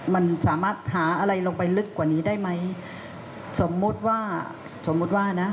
มันสามารถหาอะไรลงไปลึกกว่านี้ได้ไหมสมมุติว่าสมมุติว่านะ